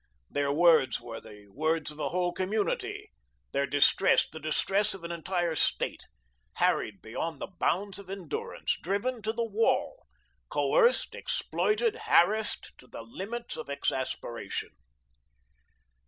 Their words were the words of a whole community; their distress, the distress of an entire State, harried beyond the bounds of endurance, driven to the wall, coerced, exploited, harassed to the limits of exasperation.